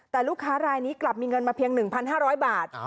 แต่ลูกค้ารายนี้กลับมีเงินมาเพียง๑๕๐๐บาท